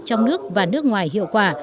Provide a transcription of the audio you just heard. trong nước và nước ngoài hiệu quả